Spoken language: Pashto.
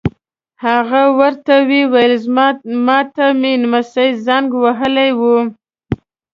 هغه ور ته وویل: ما ته مې نمسی زنګ وهلی و.